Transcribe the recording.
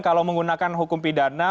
kalau menggunakan hukum pidana